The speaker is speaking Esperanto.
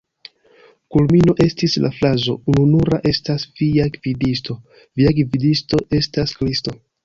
Kulmino estis la frazo: "Ununura estas via gvidisto, via gvidisto estas Kristo.